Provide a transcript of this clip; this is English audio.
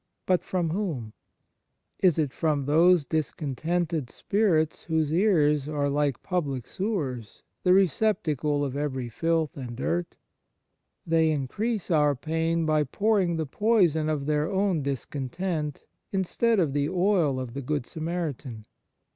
But from whom ? Is it from those dis contented spirits whose ears are like public sewers, the receptacle of every filth and dirt ? They increase our pain by pouring the poison of their own discontent instead of the oil of the Good Samaritan.